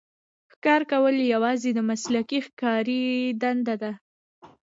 ښکار کول یوازې د مسلکي ښکاري دنده ده.